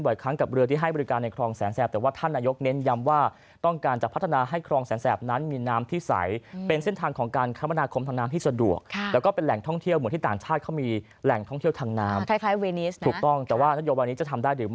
วันนี้จะทำได้หรือไม่ติดตามจากคุณสุภาพคลิกขจัยวันนี้ครับ